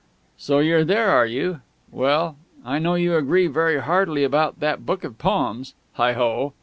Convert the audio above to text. "So you're there, are you?... Well, I know you agree very heartily about that book of poems. Heigho!